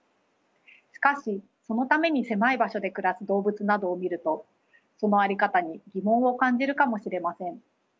しかしそのために狭い場所で暮らす動物などを見るとその在り方に疑問を感じるかもしれません。